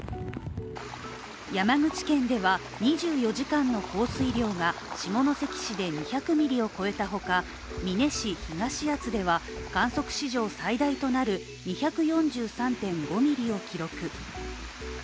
山口県では２４時間の降水量が下関市で２００ミリを超えたほか美祢市東厚保では、観測史上最大となる２４３．５ミリを記録。